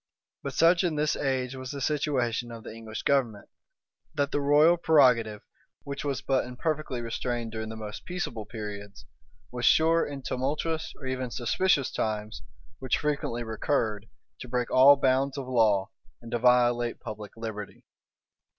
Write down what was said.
But such in this age was the situation of the English government, that the royal prerogative, which was but imperfectly restrained during the most peaceable periods, was sure, in tumultuous or even suspicious times, which frequently recurred, to break all bounds of law, and to violate public liberty.